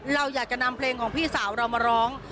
เราอยากจะนำเพลงของพี่สาวเรามาร้อง